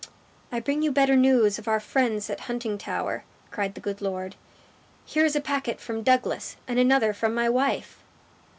"I bring you better news of our friends at Huntingtower," cried the good lord. "Here is a packet from Douglas, and another from my wife."